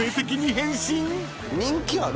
人気ある？